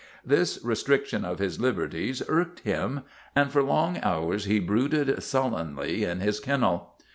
This restriction of his liberties irked him, and for long hours he brooded sullenly in his kennel.